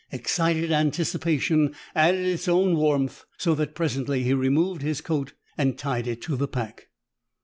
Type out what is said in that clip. Excited anticipation added its own warmth, so that presently he removed his coat and tied it to the pack.